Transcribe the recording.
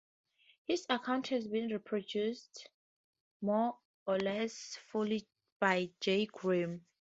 His account has been reproduced more or less fully by J. Grimm.